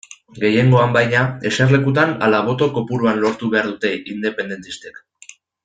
Gehiengoa baina, eserlekutan ala boto kopuruan lortu behar dute independentistek?